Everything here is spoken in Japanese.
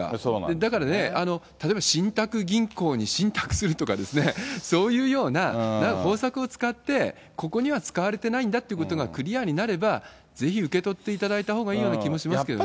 だからね、例えば信託銀行に信託するとかですね、そういうような方策を使って、ここには使われてないんだということがクリアになれば、ぜひ受け取っていただいたほうがいいような気がしますけどね。